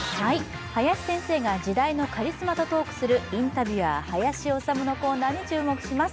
林先生が時代のカリスマとトークする「インタビュアー林修」のコーナーに注目します。